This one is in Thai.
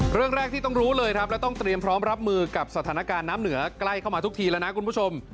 เรื่องแรกที่ต้องรู้เลยครับแล้วต้องเตรียมพร้อมรับมือกับสถานการณ์น้ำเหนือใกล้เข้ามาทุกทีแล้วนะคุณผู้ชม